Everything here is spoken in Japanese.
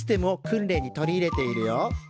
訓練に取り入れているよ！